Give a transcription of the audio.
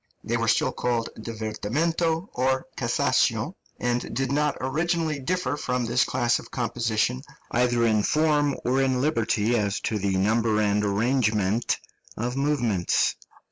They were still called divertimento or cassation, and did not originally differ from this class of composition, either in form or in liberty as to the number and arrangement of movements.